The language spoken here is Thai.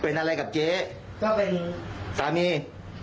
จิ้นกันเป็น